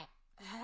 え？